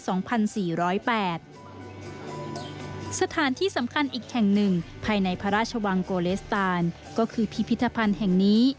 สถานที่สำคัญอีกแห่งหนึ่งภายในพระราชวังโกเลสตานก็คือพิพิธภัณฑ์แห่งนี้